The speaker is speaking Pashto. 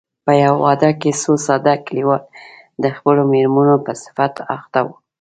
په يوه واده کې څو ساده کليوال د خپلو مېرمنو په صفت اخته وو.